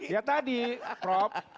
ya tadi prop